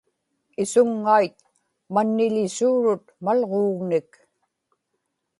isuŋŋait manniḷisuurut malġuugnik